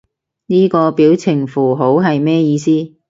呢個表情符號係咩意思？